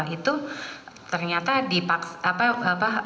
itu ternyata dipaksa apa apa waktu itu diminta orang